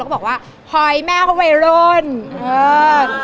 แล้วก็บอกว่าไฮแม่เขาเวรนประหว่าง